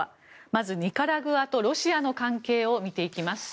まず、ニカラグアとロシアの関係を見ていきます。